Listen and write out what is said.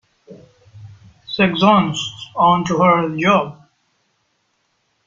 Saxon's onto her job.